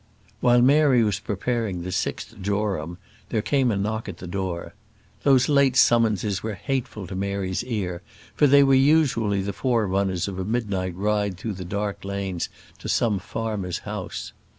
While Mary was preparing the sixth jorum, there came a knock at the door. Those late summonses were hateful to Mary's ear, for they were usually the forerunners of a midnight ride through the dark lanes to some farmer's house.